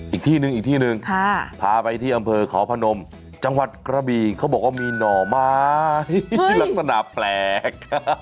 อีกที่นึงพาไปที่อำเภอขอพนมจังหวัดกระบีงเค้าบอกว่ามีหน่อไม้ลักษณะแปลก